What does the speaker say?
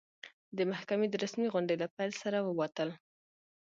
د محکمې د رسمي غونډې له پیل سره ووتل.